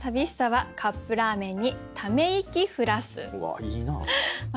うわあいいなあ。